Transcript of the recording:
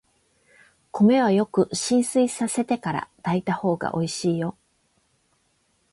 米はよく浸水させてから炊いたほうがおいしいよ。